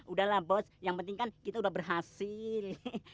udahlah bos yang penting kan kita udah berhasil